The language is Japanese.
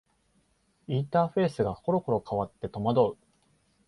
インターフェースがころころ変わって戸惑う